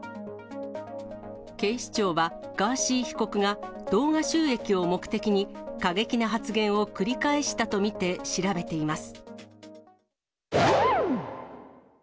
警視庁は、ガーシー被告が、動画収益を目的に、過激な発言を繰り返したと見て調べています。